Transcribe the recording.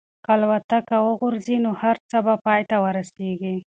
که الوتکه وغورځي نو هر څه به پای ته ورسېږي.